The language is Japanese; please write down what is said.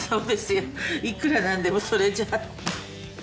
いくらなんでもそれじゃあ。